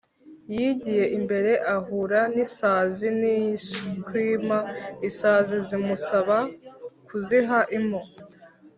yigiye imbere ahura n’isazi n’ishwima. isazi zimusaba kuziha impu